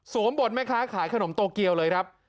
สวนบทไหมคะขายขนมโตเกียวเลยครับ